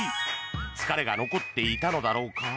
疲れが残っていたのだろうか。